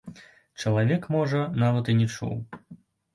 Чалавек, можа, нават і не чуў.